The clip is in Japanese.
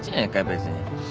別に。